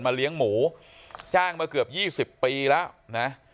มาเลี้ยงหมูจ้างมาเกือบยี่สิบปีแล้วนะ